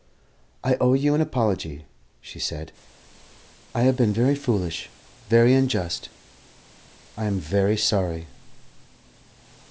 "I owe you an apology," she said. "I have been very foolish, very unjust. I am very sorry."